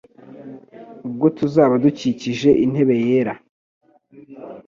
Ubwo tuzaba dukikije intebe yera,